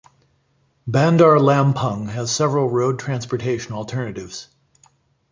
Bandar Lampung has several road transportation alternatives.